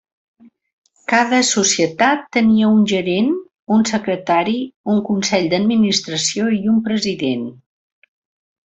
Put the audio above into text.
Cada societat tenia un gerent, un secretari, un consell d'administració i un president.